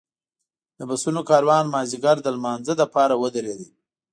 د بسونو کاروان مازیګر د لمانځه لپاره ودرېد.